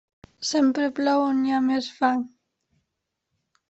Sempre plou on hi ha més fang.